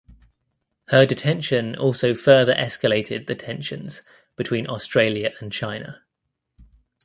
Her detention also further escalated the tensions between Australia and China.